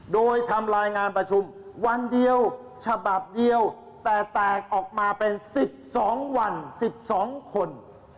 โดยทำรายงานประชุมวันเดียวฉบับเดียวแต่แตกออกมาเป็น๑๒วัน๑๒คน